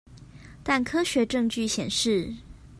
但科學證據顯示